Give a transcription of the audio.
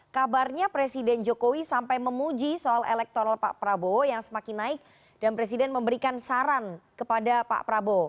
kabarnya presiden jokowi sampai memuji soal elektoral pak prabowo yang semakin naik dan presiden memberikan saran kepada pak prabowo